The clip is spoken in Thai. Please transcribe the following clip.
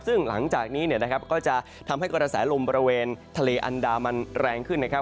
ซึ่งหลังจากนี้ก็จะทำให้กระแสลมบริเวณทะเลอันดามันแรงขึ้นนะครับ